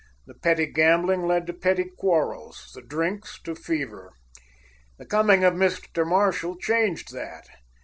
The petty gambling led to petty quarrels; the drinks to fever. The coming of Mr. Marshall changed that.